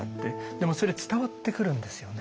でもそれ伝わってくるんですよね